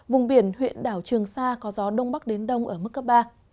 vùng biển huyện đảo trường sa có gió đông bắc đến đông ở mức cấp ba